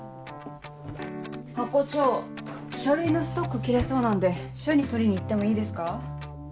ハコ長書類のストック切れそうなんで署に取りに行ってもいいですか？